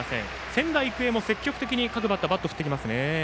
仙台育英も積極的に各バッターがバットを振ってきますね。